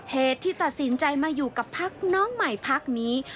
เหตุที่ตัดสินใจมาอยู่กับพักน้องใหม่พักนี้